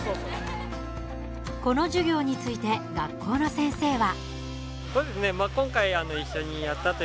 この授業について学校の先生は。